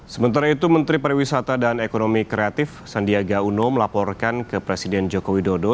sementara itu menteri pariwisata dan ekonomi kreatif sandiaga uno melaporkan ke presiden joko widodo